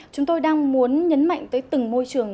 chúng tôi đang muốn nhấn mạnh tới từng môi trường